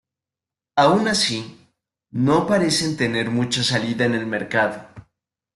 Aun así, no parecen tener mucha salida en el mercado.